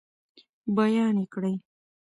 بیان یې کړئ.